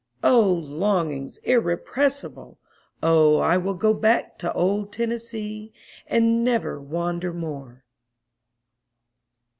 O longings irrepressible! O I will go back to old Tennessee, and never wander more!